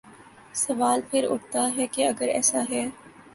سوال پھر اٹھتا ہے کہ اگر ایسا ہے۔